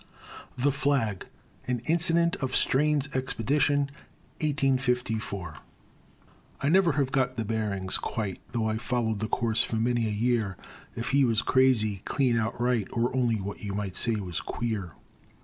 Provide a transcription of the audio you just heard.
THE FLAG AN INCIDENT OF STRAIN'S EXPEDITION I never have got the bearings quite, Though I've followed the course for many a year, If he was crazy, clean outright, Or only what you might say was "queer."